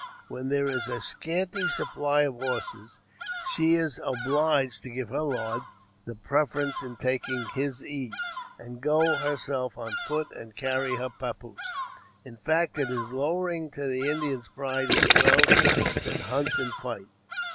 When there is a scanty supply of horses, she is obliged to give her lord the preference in taking his ease, and go herself on foot and carry her pappoose. In fact it is lowering to the Indian's pride to do else than hunt and fight.